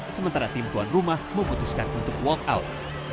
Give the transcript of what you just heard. sementara tim tuan rumah memutuskan untuk walk out